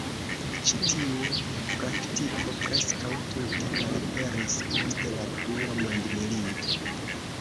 Ĉi tiu praktiko preskaŭ tute malaperis post la dua mondmilito.